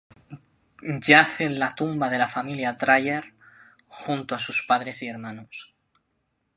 Yace en la tumba de la familia Dreyer junto a sus padres y hermanos.